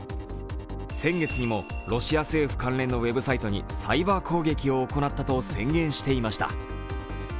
先月にもロシア政府関連のウェブサイトにサイバー攻撃を行ったと宣言していました。